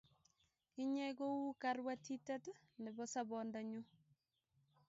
inye ko u karwatitet nebo sabonda nyun